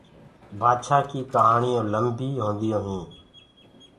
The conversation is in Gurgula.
بآدڇآنٚ ڪيٚ ڪهآڻيونٚ لَميِ هونديونٚ هينٚ۔